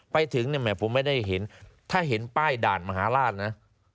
ไปถึงเนี่ยแหมผมไม่ได้เห็นถ้าเห็นป้ายด่านมหาราชนะ